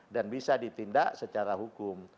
dan bisa ditindak secara hukum